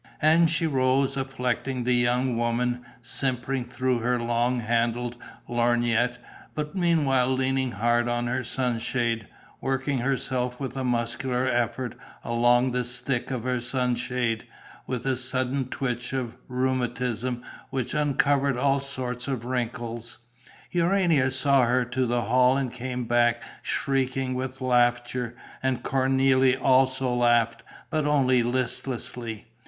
And she rose, affecting the young woman, simpering through her long handled lorgnette, but meanwhile leaning hard on her sunshade, working herself with a muscular effort along the stick of her sunshade, with a sudden twitch of rheumatism which uncovered all sorts of wrinkles. Urania saw her to the hall and came back shrieking with laughter; and Cornélie also laughed, but only listlessly.